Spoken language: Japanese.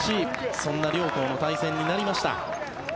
そんな両校の対戦になりました。